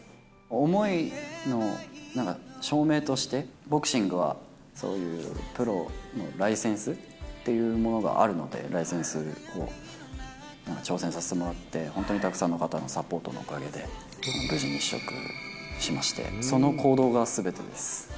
思いのなんか証明として、ボクシングはそういうプロのライセンスっていうものがあるので、ライセンスを挑戦させてもらって、本当にたくさんの方のサポートのおかげで、無事に取得しまして、その行動がすべてです。